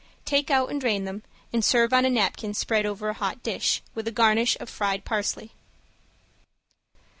Take out and drain them, and serve on a napkin spread over a hot dish, with a garnish of fried parsley.